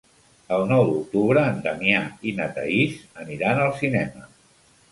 El nou d'octubre en Damià i na Thaís aniran al cinema.